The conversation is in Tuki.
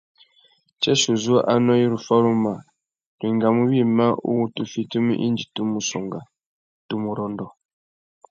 Tsêssê uzu anô i ru faruma, tu engamú wïmá uwú tu fitimú indi tu mù songha, tu mù rôndô.